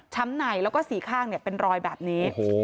ในแล้วก็สี่ข้างเป็นรอยแบบนี้